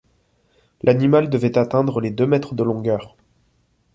L'animal devait atteindre les deux mètres de longueur.